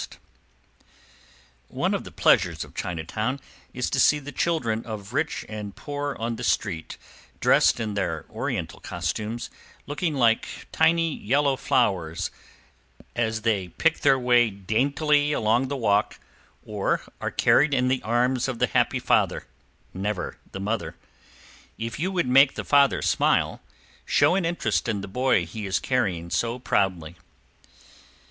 [Illustration: A CHINESE SHOEMAKER] One of the pleasures of Chinatown is to see the children of rich and poor on the street, dressed in their Oriental costumes, looking like tiny yellow flowers, as they pick their way daintily along the walk, or are carried in the arms of the happy father never the mother. If you would make the father smile, show an interest in the boy he is carrying so proudly.